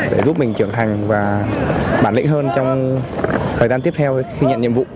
để giúp mình trưởng thành và bản lĩnh hơn trong thời gian tiếp theo khi nhận nhiệm vụ